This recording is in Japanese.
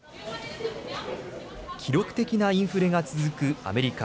記録的なインフレが続くアメリカ。